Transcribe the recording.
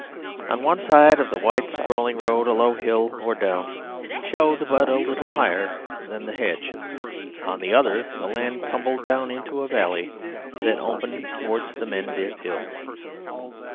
On one side of the white, sprawling road a low hill or down showed but a little higher than the hedge, on the other the land tumbled down into a valley that opened towards the Mendip hills.